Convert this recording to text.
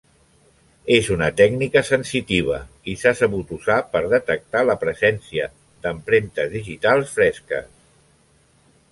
És una tècnica sensitiva, i s'ha sabut usar per detectar la presència empremtes digitals fresques.